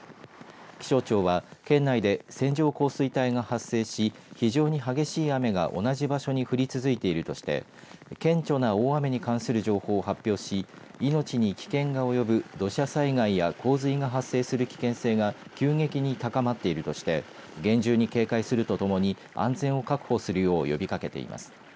気象庁は県内で線状降水帯が発生し非常に激しい雨が同じ場所に降り続いているとして顕著な大雨に関する情報を発表し命に危険が及ぶ土砂災害や洪水が発生する危険性が急激に高まっているとして厳重に警戒するとともに安全を確保するよう呼びかけています。